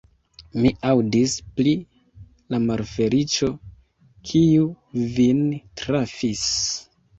Mi aŭdis pri la malfeliĉo, kiu vin trafis.